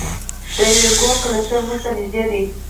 د ویرګو کلسټر موږ ته نږدې دی.